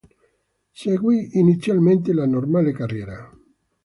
Seguì inizialmente la normale carriera.